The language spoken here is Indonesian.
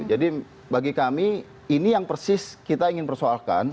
jadi bagi kami ini yang persis kita ingin persoalkan